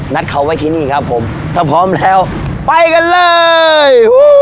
นัดเขาไว้ที่นี่ครับผมถ้าพร้อมแล้วไปกันเลย